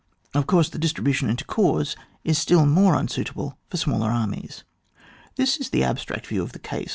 Of course the distribution into corps is still more unsuitable for smaller armies. This is the abstract view of the case.